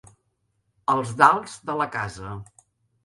Els dalts de la casa.